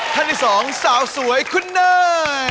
ท่านที่สองสาวสวยคุณเนย